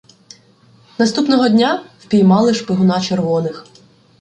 Наступного дня впіймали шпигуна червоних.